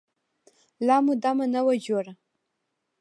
لا مو دمه نه وه جوړه.